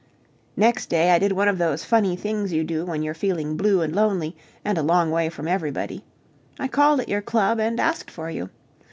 Next day, I did one of those funny things you do when you're feeling blue and lonely and a long way away from everybody. I called at your club and asked for you!